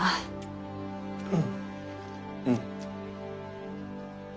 うん。